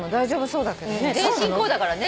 全身こうだからね。